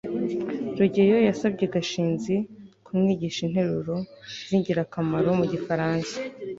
rugeyo yasabye gashinzi kumwigisha interuro zingirakamaro mu gifaransa